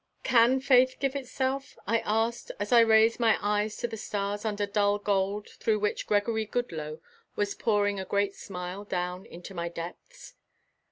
"Can faith give itself?" I asked, as I raised my eyes to the stars under dull gold through which Gregory Goodloe was pouring a great smile down into my depths.